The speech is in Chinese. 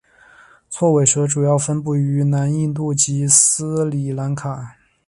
锉尾蛇主要分布于南印度及斯里兰卡。